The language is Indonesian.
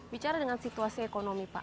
bicara dengan situasi ekonomi pak